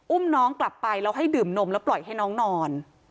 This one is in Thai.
อุ้มน้องกลับไปแล้วให้ดื่มนมแล้วปล่อยให้น้องนอน